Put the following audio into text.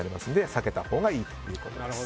避けたほうがいいということです。